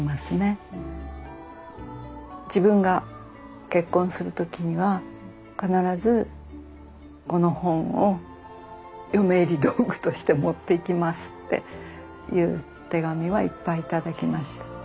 自分が結婚する時には必ずこの本を嫁入り道具として持っていきますっていう手紙はいっぱい頂きました。